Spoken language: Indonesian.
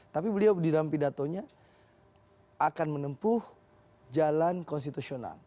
tapi beliau di dalam pidatonya akan menempuh jalan konstitusional